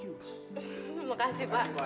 terima kasih pak